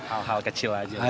hal hal kecil aja